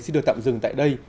xin được tạm dừng tại đây